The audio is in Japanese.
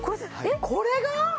これが！？